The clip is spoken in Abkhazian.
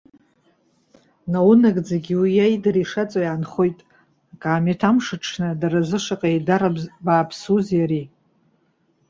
Наунагӡагьы уи еидара ишаҵоу иаанхоит. Акаамеҭ амш аҽны дара рзы шаҟа иеидара бааԥсузеи ари!